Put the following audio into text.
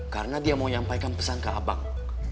karena dia mau nyampaikan pesan ke abang